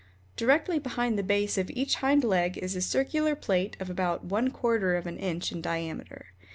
Directly behind the base of each hind leg is a circular plate of about one quarter of an inch in diameter.